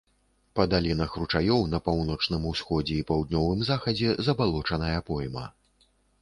Па далінах ручаёў на паўночным усходзе і паўднёвым захадзе забалочаная пойма.